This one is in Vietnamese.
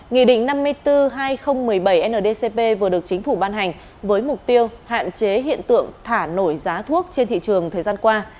nghị định năm mươi bốn hai nghìn một mươi bảy ndcp vừa được chính phủ ban hành với mục tiêu hạn chế hiện tượng thả nổi giá thuốc trên thị trường thời gian qua